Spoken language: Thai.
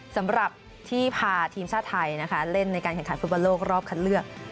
สำหรับที่พาทีมชาติไทยนะคะเล่นในการแข่งขันฟุตบอลโลกรอบคัดเลือก